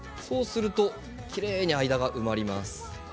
そうするときれいに間が埋まります。